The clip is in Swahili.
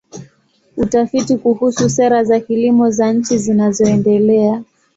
Utafiti kuhusu sera za kilimo za nchi zinazoendelea.